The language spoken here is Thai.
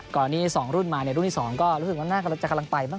ก่อนนี้๒รุ่นมารุ่นที่๒ก็รู้สึกว่าน่ากลัวจะกำลังไป